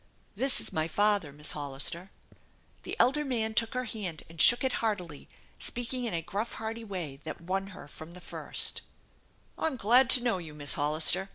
" This is my father, Miss Hollister." The elder man took her hand and shook it heartily, speak ing in a gruff, hearty way that won her from the first: "I'm glad to know you, Miss Hollister.